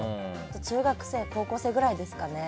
中学生、高校生ぐらいですかね。